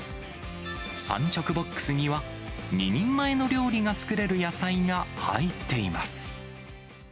産直ボックスには、２人前の料理が作れる野菜が入っています。